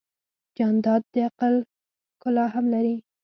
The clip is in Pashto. جانداد د عقل ښکلا هم لري.